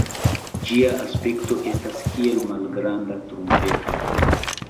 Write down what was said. Ĝia aspekto estas kiel malgranda trumpeto.